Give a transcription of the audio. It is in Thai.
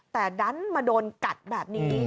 แต่ดันมาโดนกัดแบบนี้